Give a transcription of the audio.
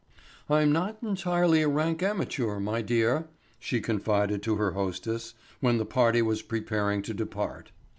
"I'm not entirely a rank amateur, my dear," she confided to her hostess when the party was preparing to depart.